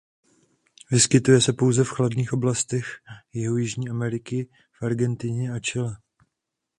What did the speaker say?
Vyskytuje se pouze v chladných oblastech jihu Jižní Ameriky v Argentině a Chile.